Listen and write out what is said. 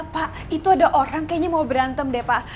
pak itu ada orang kayaknya mau berantem deh pak